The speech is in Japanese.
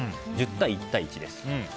１０対１対１です。